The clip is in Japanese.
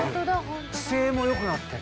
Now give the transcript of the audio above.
姿勢も良くなってる。